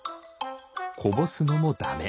こぼすのもだめ。